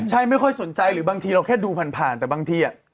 ใช่ไม่ค่อยสนใจหรือบางทีเราแค่ดูผ่านแต่บางที